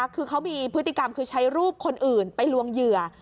คือเขามีพฤติกรรมคือใช้รูปคนอื่นไปลวงเหยื่อ